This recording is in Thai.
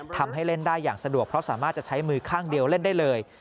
ทำให้เล่นได้อย่างสะดวกเพราะสามารถจะใช้มือข้างเดียวเล่นได้เลย